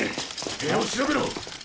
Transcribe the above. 部屋を調べろ！